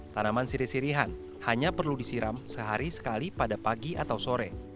tanaman siri sirihan hanya perlu disiram sehari sekali pada pagi atau sore